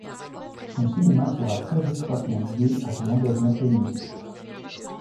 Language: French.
Son cinéma sera très étroitement lié à son engagement féministe.